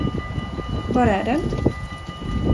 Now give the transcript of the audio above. Var är den?